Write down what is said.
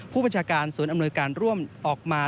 ผู้บัญชาการศูนย์อำนวยการร่วมออกมา